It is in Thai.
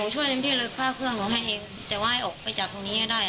ช่วยเต็มที่เลยค่าเครื่องหนูให้เองแต่ว่าให้ออกไปจากตรงนี้ให้ได้